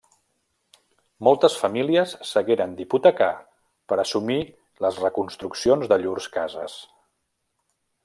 Moltes famílies s'hagueren d'hipotecar per assumir les reconstruccions de llurs cases.